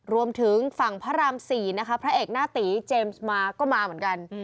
รวมถึงฝั่งพระราม๔นะคะพระเอกหน้าตีเจมส์มาก็มาเหมือนกัน